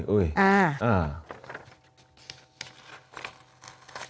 อุ๊ยอุ๊ยอุ๊ย